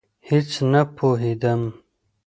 هېڅ نه پوهېدم.